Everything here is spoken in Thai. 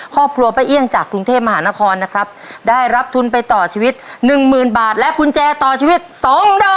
ครอบครัวป้าเอี่ยงจากกรุงเทพมหานครนะครับได้รับทุนไปต่อชีวิตหนึ่งหมื่นบาทและกุญแจต่อชีวิตสองดอก